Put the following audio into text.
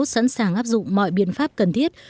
sẵn sàng áp dụng mọi biện pháp cần thiết